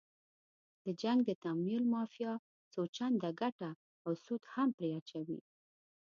د جنګ د تمویل مافیا څو چنده ګټه او سود هم پرې اچوي.